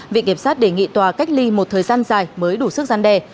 viện kiểm sát đề nghị tòa cách ly một thời gian dài mới đủ sức gian đề